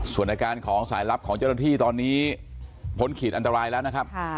ส่วนอาการของสายลับของเจ้าระที่ตอนนี้ผลขีดอันตรายละนะครับค่ะ